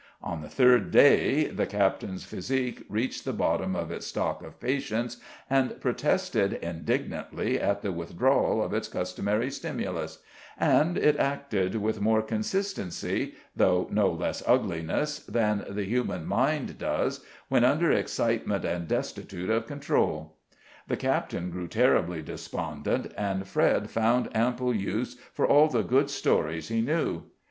On the third day the captain's physique reached the bottom of its stock of patience, and protested indignantly at the withdrawal of its customary stimulus; and it acted with more consistency, though no less ugliness, than the human mind does when under excitement and destitute of control. The captain grew terribly despondent, and Fred found ample use for all the good stories he knew.